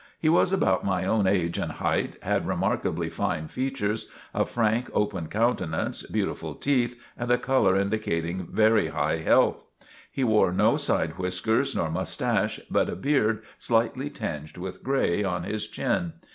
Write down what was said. He was about my own age and height, had remarkably fine features, a frank, open countenance, beautiful teeth and a color indicating very high health. He wore no side whiskers nor moustache but a beard slightly tinged with gray, on his chin.